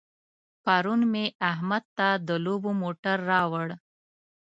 پرون مې احمد ته د لوبو موټر راوړ.